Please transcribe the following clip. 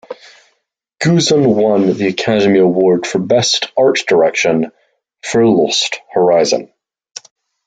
Goosson won the Academy Award for Best Art Direction for "Lost Horizon".